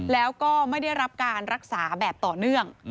แล้วก็ไม่ได้รับการรักษาแบบต่อเนื่อง